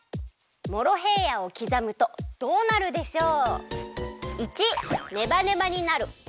モロヘイヤをきざむとどうなるでしょう？